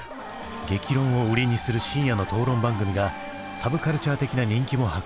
激論を売りにする深夜の討論番組がサブカルチャー的な人気も博していた。